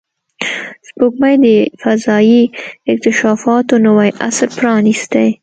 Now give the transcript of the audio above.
سپوږمۍ د فضایي اکتشافاتو نوی عصر پرانستی